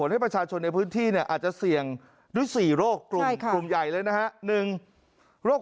และกันเดินทางที่ไม่ค่อยสะดวก